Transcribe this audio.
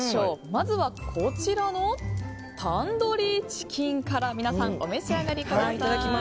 まずはこちらのタンドリーチキンから皆さんお召し上がりください。